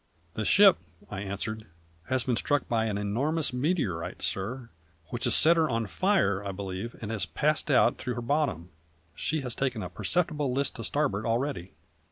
"The ship," I answered, "has been struck by an enormous meteorite, sir, which has set her on fire, I believe, and has passed out through her bottom. She has taken a perceptible list to starboard already."